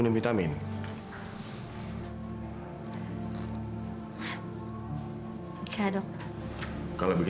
terima kasih pak